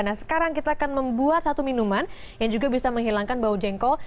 nah sekarang kita akan membuat satu minuman yang juga bisa menghilangkan bau jengkol